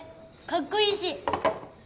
かっこいいし。